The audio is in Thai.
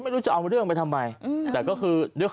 คุณธิชานุลภูริทัพธนกุลอายุ๓๔